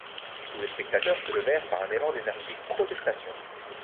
Tous les spectateurs se levèrent par un élan d'énergique protestation.